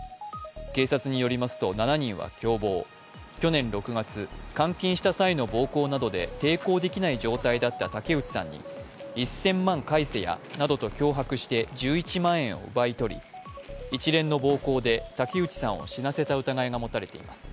警察によりますと、７人は共謀、去年６月、監禁した際の暴行などで抵抗できない状態だった竹内さんに１０００万返せやなどと脅迫して１１万円を奪いとり一連の暴行で竹内さんを死なせた疑いが持たれています。